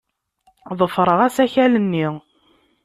Ḍefreɣ asakal-nni.